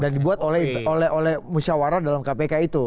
dan dibuat oleh musyawara dalam kpk itu